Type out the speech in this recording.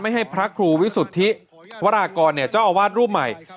ให้พระครูวิสุทธิวรากรเจ้าอาวาสรูปใหม่